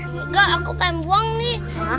enggak aku pengen buang nih